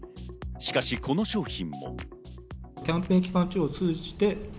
しかし、この商品。